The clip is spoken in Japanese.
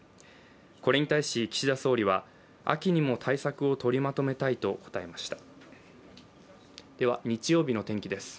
これに対し岸田総理は秋にも対策を取りまとめたいと答えました。